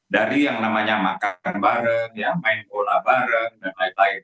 dari yang namanya makan bareng ya main bola bareng dan lain lain